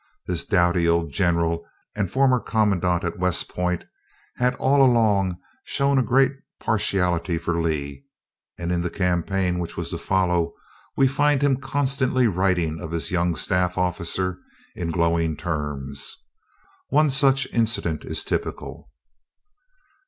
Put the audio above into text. That doughty old General and former commandant at West Point had all along shown a great partiality for Lee; and in the campaign which was to follow, we find him constantly writing of his young staff officer in glowing terms. One such incident is typical.